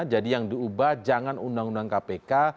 jadi yang diubah jangan undang undang kpk